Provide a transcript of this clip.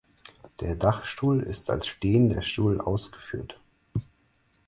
Der Dachstuhl ist als stehender Stuhl ausgeführt.